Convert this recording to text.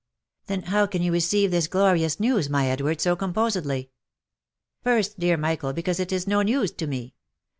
if Then how can you receive this glorious news, my Edward, so com posedly?" u First, dear Michael, because it is no news to me.